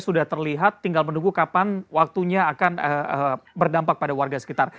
sudah terlihat tinggal menunggu kapan waktunya akan berdampak pada warga sekitar